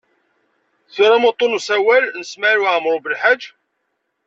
Turam uḍḍun n usawal n Smawil Waɛmaṛ U Belḥaǧ?